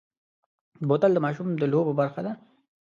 بوتل د ماشوم د لوبو برخه ده.